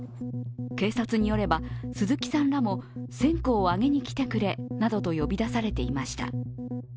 警察によれば、鈴木さんらも線香を上げに来てくれなどと呼び出されていました。